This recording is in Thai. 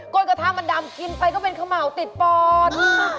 กระทะมันดำกินไปก็เป็นเขม่าวติดปอด